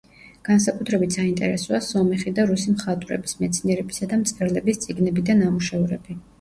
განსაკუთრებით საინტერესოა სომეხი და რუსი მხატვრების, მეცნიერებისა და მწერლების წიგნები და ნამუშევრები.